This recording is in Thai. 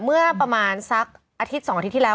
เมื่อประมาณสักอาทิตย์๒อาทิตย์ที่แล้ว